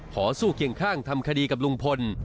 ขอสู้เคียงข้างทำคดีกับลุงพล